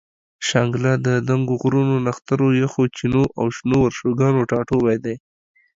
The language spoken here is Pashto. شانګله د دنګو غرونو، نخترو، یخو چینو او شنو ورشوګانو ټاټوبے دے